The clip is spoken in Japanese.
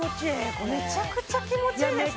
これめちゃくちゃ気持ちいいですね